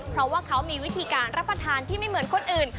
เพราะว่าเขามีวิธีการรับประทานที่ไม่เหมือนคนอื่น